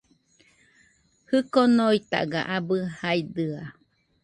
Jiko noitaga abɨ jaidɨa